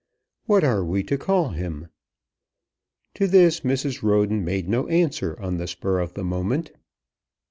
What are we to call him?" To this Mrs. Roden made no answer on the spur of the moment.